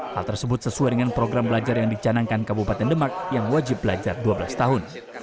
hal tersebut sesuai dengan program belajar yang dicanangkan kabupaten demak yang wajib belajar dua belas tahun